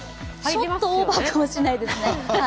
ちょっとオーバーかもしれないですね。